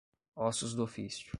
Ossos do ofício